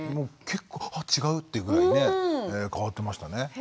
結構「あっ違う」っていうぐらいね変わってましたね。